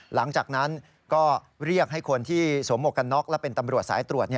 หลังจากนั้นก็เรียกให้คนที่สวมหมวกกันน็อกและเป็นตำรวจสายตรวจ